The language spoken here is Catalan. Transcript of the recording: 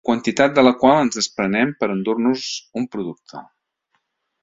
Quantitat de la qual ens desprenem per endur-nos un producte.